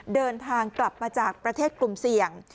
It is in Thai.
เดินทางกลับมาจากประเทศกลุ่มเสี่ยง